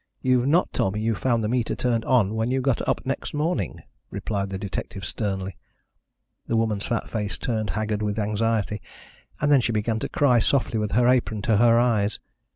"You've not told me you found the meter turned on when you got up next morning," replied the detective sternly. The woman's fat face turned haggard with anxiety, and then she began to cry softly with her apron to her eyes.